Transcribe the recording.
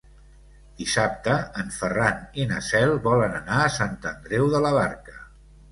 Dissabte en Ferran i na Cel volen anar a Sant Andreu de la Barca.